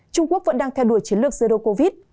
trung quốc vẫn đang theo đuổi chiến lược zero covid